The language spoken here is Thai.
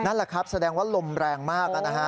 นั่นแหละครับแสดงว่าลมแรงมากนะฮะ